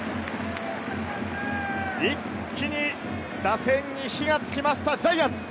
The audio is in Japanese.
一気に打線に火がつきました、ジャイアンツ。